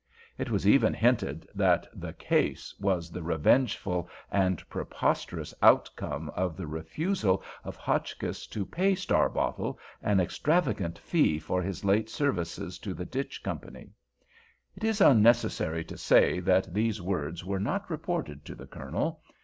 It was even hinted that the "case" was the revengeful and preposterous outcome of the refusal of Hotchkiss to pay Starbottle an extravagant fee for his late services to the Ditch Company. It is unnecessary to say that these words were not reported to the Colonel.